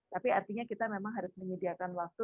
tapi artinya kita memang harus menyediakan waktu